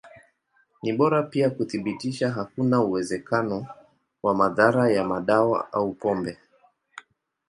Ni bora pia kuthibitisha hakuna uwezekano wa madhara ya madawa au pombe.